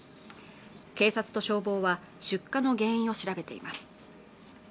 警察と消防は出火の原因を調べています